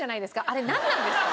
あれなんなんですか？